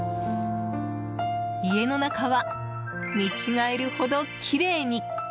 家の中は、見違えるほどきれいに。